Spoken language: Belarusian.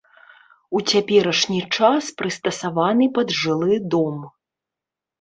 У цяперашні час прыстасаваны пад жылы дом.